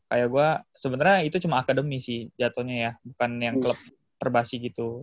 kayak gue sebenarnya itu cuma akademi sih jatuhnya ya bukan yang klub perbasi gitu